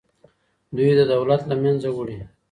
دوی دولت له منځه وړي.